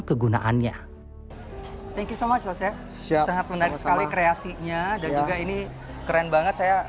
kegunaannya thank you so muchles ya sangat menarik sekali kreasinya dan juga ini keren banget saya